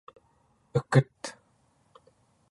eket